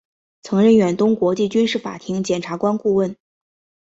曾任远东国际军事法庭检察官顾问。